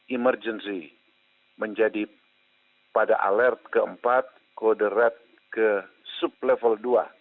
emergency menjadi pada alert keempat kode red ke sub level dua